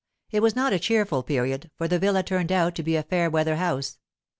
It was not a cheerful period, for the villa turned out to be a fair weather house.